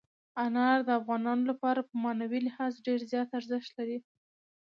انار د افغانانو لپاره په معنوي لحاظ ډېر زیات ارزښت لري.